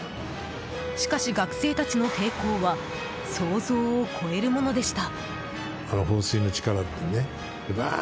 しかし、学生たちの抵抗は想像を超えるものでした。